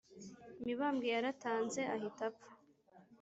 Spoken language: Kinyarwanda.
mibambwe yaratanze ahita apfa